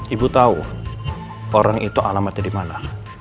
ibu tau orang itu alamatnya dimana